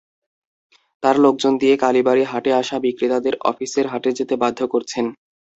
তাঁর লোকজন দিয়ে কালীবাড়ী হাটে আসা বিক্রেতাদের অফিসের হাটে যেতে বাধ্য করছেন।